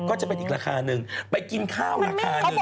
ก็จะเป็นอีกราคาหนึ่งไปกินข้าวราคาหนึ่ง